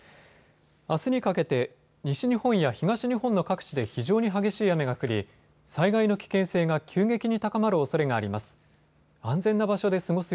あすにかけて西日本や東日本の各地で非常に激しい雨が降り、災害の危険性が急激に高まるおそれがあります。